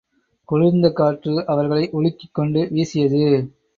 குளிர்ந்த காற்று அவர்களை உலுக்கிக்கொண்டு வீசியது.